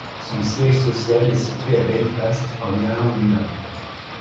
Son siège social est situé à Belfast en Irlande du Nord.